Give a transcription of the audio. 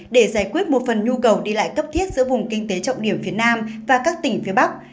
để giải quyết một phần nhu cầu đi lại cấp thiết giữa vùng kinh tế trọng điểm phía nam và các tỉnh phía bắc